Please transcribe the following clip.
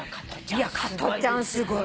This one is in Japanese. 加トちゃんすごい。